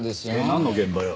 なんの現場よ？